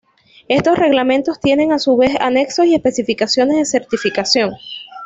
Estos reglamentos tienen a su vez anexos y especificaciones de certificación.